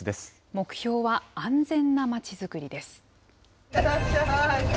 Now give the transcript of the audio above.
目標は安全なまちづくりです。